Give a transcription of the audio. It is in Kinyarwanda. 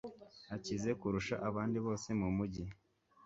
Arakize kurusha abandi bose mumujyi.